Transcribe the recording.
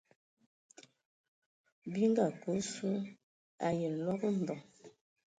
Bi nga kə osu ai nlɔb mbəm.